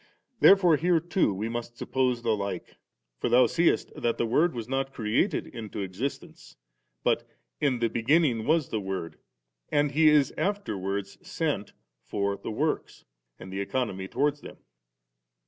Therefore here too we must suppose the like ; for thou seest, that the Word is not created into existence, bu^ * In the beginning was the Word,' and He is afterwards sent 'for the works' and the Economy towards them.